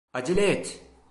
Acele et!